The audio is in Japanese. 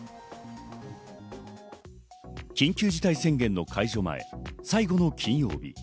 緊急事態宣言の解除前、最後の金曜日。